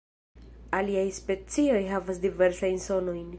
Aliaj specioj havas diversajn sonojn.